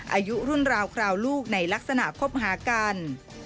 อายุรุ่นราวคราวลูกในลักษณะคบหากัน